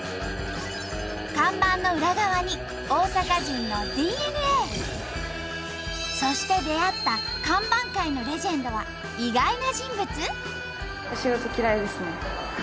看板の裏側にそして出会った看板界のレジェンドは意外な人物？